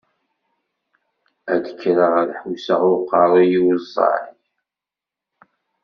Ad d-kkreɣ ad ḥusseɣ i uqerruy-iw ẓẓay.